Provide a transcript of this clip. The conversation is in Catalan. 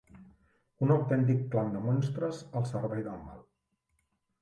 Un autèntic clan de monstres al servei del mal.